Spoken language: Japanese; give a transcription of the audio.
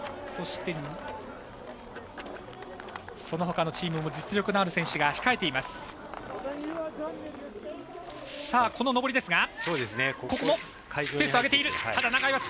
そして、そのほかのチームも実力のある選手が控えています。